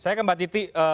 saya ke mbak titi